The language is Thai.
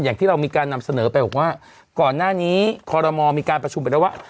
อย่างที่เรามีการนำเสนอไปบอกว่าก่อนหน้านี้คอรมอลมีการประชุมไปแล้วว่า